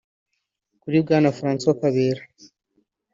Kuri Bwana Francois Karera